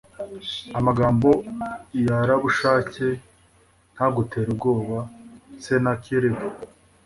amagambo ya rabushake ntagutere ubwoba senakeribu